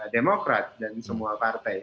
demokrat dan semua partai